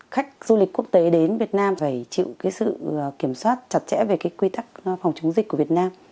khách du lịch quốc tế đến việt nam phải chịu cái sự kiểm soát chặt chẽ về cái quy tắc phòng chống dịch của việt nam